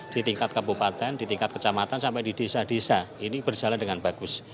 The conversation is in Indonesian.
di tingkat kabupaten di tingkat kecamatan sampai di desa desa ini berjalan dengan bagus